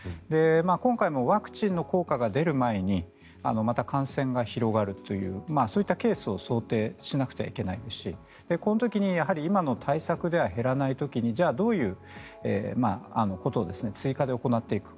今回もワクチンの効果が出る前にまた感染が広がるというそういったケースを想定しなくてはいけないですしこの時に今の対策では減らない時にじゃあ、どういうことを追加で行っていくか。